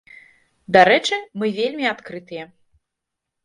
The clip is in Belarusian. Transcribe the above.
Дарэчы, мы вельмі адкрытыя.